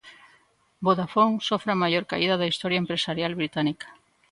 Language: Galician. Vodafone sofre a maior caída da historia empresarial británica